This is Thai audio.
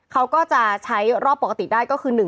เขาก็จะใช้รอบปกติได้ก็คือ